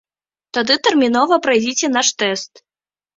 Тады тэрмінова прайдзіце наш тэст.